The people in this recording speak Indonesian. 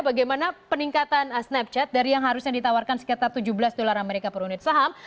bagaimana peningkatan snapchat dari yang harusnya ditawarkan sekitar tujuh belas dolar amerika per unit saham